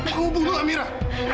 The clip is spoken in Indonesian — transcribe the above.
kamu bunuh amira